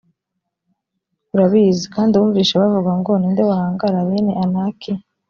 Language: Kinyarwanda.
urabizi, kandi wumvise bavuga ngo «ni nde wahangara bene anaki?»